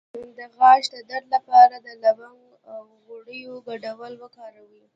د غاښ د درد لپاره د لونګ او غوړیو ګډول وکاروئ